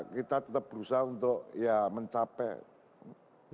kita tetap berusaha untuk ya mencapai